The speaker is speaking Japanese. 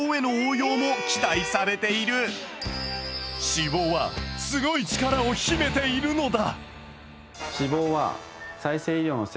脂肪はすごい力を秘めているのだ。